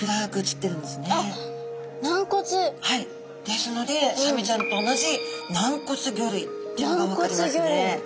ですのでサメちゃんと同じ軟骨魚類っていうのが分かりますね。